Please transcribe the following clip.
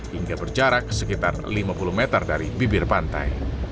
hingga berjarak sekitar lima puluh meter dari bibir pantai